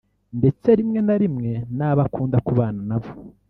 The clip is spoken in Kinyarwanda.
ndetse rimwe na rimwe n’abo akunda kubana nabo